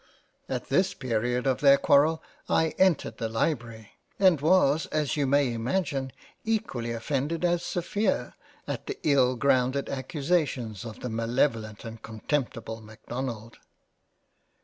At this period of their Quarrel I entered the Library and was as you may imagine equally offended as Sophia at the ill grounded accusations of the malevolent and contemptible Macdonald.